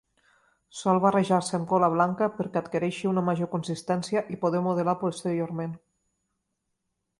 Sol barrejar-se amb cola blanca perquè adquireixi una major consistència i poder modelar posteriorment.